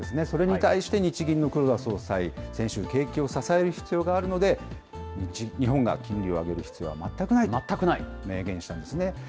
それに対して、日銀の黒田総裁、先週、景気を支える必要があるので、日本が金利を上げる必要は全くないと明言したんですね。